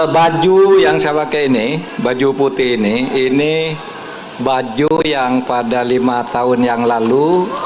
baju yang saya pakai ini baju putih ini ini baju yang pada lima tahun yang lalu